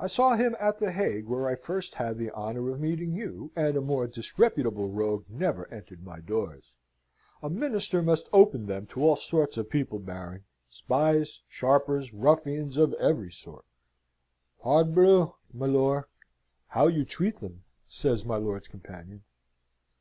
I saw him at the Hague, where I first had the honour of meeting you, and a more disreputable rogue never entered my doors. A minister must open them to all sorts of people, Baron, spies, sharpers, ruffians of every sort." "Parbleu, milor, how you treat them!" says my lord's companion.